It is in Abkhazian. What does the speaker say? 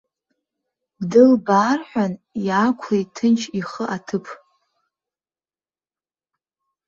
Дылбаарҳәан, иаақәлеит ҭынч ихы аҭыԥ.